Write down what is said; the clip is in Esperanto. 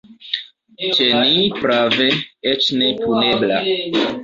Ĉe ni, prave, eĉ ne punebla.